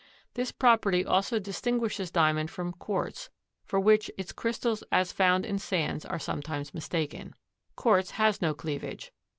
This property also distinguishes Diamond from quartz, for which its crystals as found in sands are sometimes mistaken. Quartz has no cleavage.